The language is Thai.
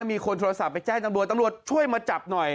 มีคนโทรศัพท์ไปแจ้งตำรวจตำรวจช่วยมาจับหน่อย